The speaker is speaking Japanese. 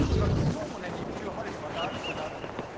今日も日中よく晴れてまた暑くなるんですよ。